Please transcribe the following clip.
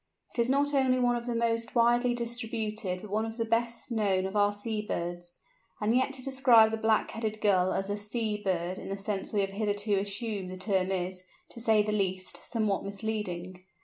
It is not only one of the most widely distributed but one of the best known of our sea birds. And yet to describe the Black headed Gull as a "sea" bird in the sense we have hitherto used the term is, to say the least, somewhat misleading.